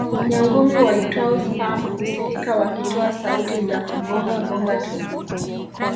Nyangumi waitwao sperm husikika wakitoa sauti za kugonga gonga tu